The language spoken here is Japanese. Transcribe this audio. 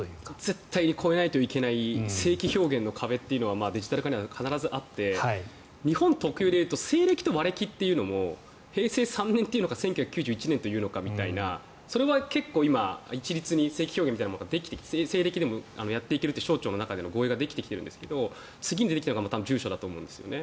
絶対に越えないといけない西暦表現の壁というのはデジタル化には必ずあって日本特有のことでいうと西暦と和暦というのも平成３年というのか１９９１年というのかみたいなのは一律に正規表現みたいなものができて、西暦の中でもやっていけるという省庁の確認ができてきているんですが次に出てくるのが住所だと思うんですね。